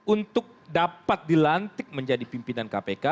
untuk dapat dilantik menjadi pimpinan kpk